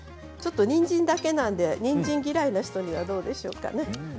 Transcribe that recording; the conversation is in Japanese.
にんじんだけですのでにんじん嫌いな人にはどうでしょうかね。